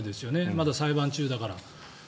まだ裁判中だから。